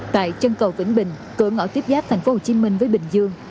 tại chân cầu vĩnh bình cửa ngõ tiếp giáp thành phố hồ chí minh với bình dương